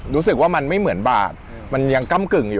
รู้สึกว่ามันไม่เหมาะบาท